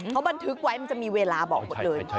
เขาบันทึกไว้มันจะมีเวลาบอกหมดเลย